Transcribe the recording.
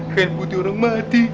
kain putih orang mati